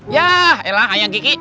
yah elah yang kiki